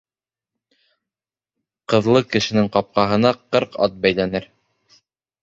Ҡыҙлы кешенең ҡапҡаһына ҡырҡ ат бәйләнер.